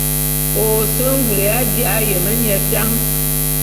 Ô se ngul ya ji'a yeme mie tan.